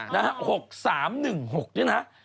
๖๓๑๖นี่นะฮะ